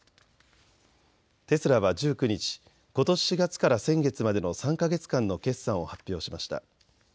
テスラは１９日、ことし４月から先月までの３か月間の決算を発表しました。